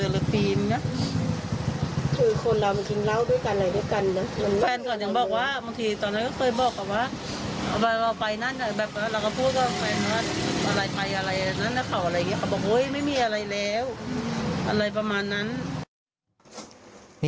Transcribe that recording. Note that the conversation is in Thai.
อะไรประมาณนั้น